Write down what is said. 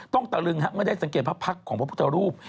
ต้องตะหลึงฮะไม่ได้สังเกิดพระพรรคของพระพุทธรูป